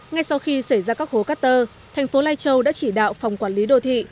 ngay sau khi xảy ra các hố cát tơ thành phố lai châu đã chỉ đạo phòng quản lý đô thị